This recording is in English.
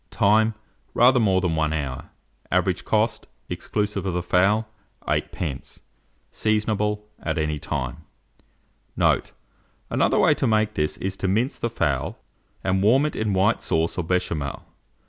Time. Rather more than 1 hour. Average cost, exclusive of the fowl, 8d. Seasonable at any time. Note. Another way to make this is to mince the fowl, and warm it in white sauce or Béchamel.